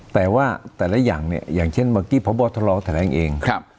แต่ว่าแต่ละอย่างเนี่ยอย่างเช่นเมื่อกี้พบทรแถลงเอง